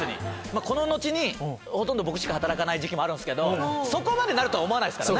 この後にほとんど僕しか働かない時期もあるんですけどそこまでになるとは思わないですから。